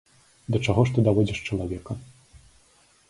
Да чаго ж ты даводзіш чалавека!